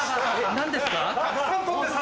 何ですか？